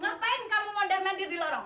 ngapain kamu mondel mendir di lorong